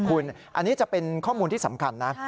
คุณอันนี้จะเป็นข้อมูลที่สำคัญนะ